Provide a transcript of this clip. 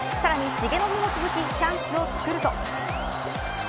重信も続きチャンスをつくると。